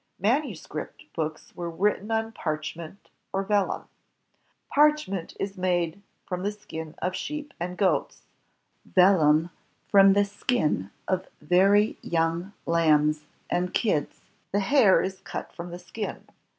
Manuscript books were written on parchment or vellum. Parchment is made from the skin of sheep and goats; vellum from the skin of very young lambs and kids. The hair is cut from the skin.